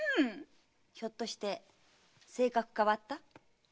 ひょっとして性格変わった？